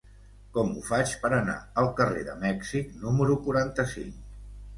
Com ho faig per anar al carrer de Mèxic número quaranta-cinc?